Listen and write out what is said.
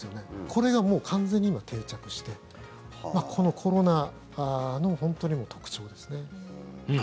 これがもう完全に今、定着してこのコロナの本当に特徴ですね。